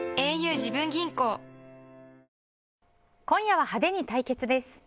今夜は派手に対決です。